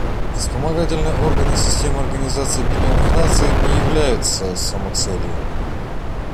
Вспомогательные органы системы Организации Объединенных Наций не являются самоцелью.